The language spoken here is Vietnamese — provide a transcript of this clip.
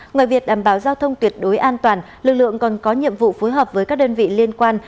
ngoài việc đảm bảo giao thông tuyệt đối an toàn lực lượng còn có nhiệm vụ phối hợp với các đơn vị liên quan